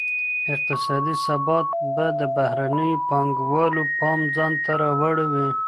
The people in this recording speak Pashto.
اقتصادي ثبات به د بهرنیو پانګوالو پام ځانته را واړوي.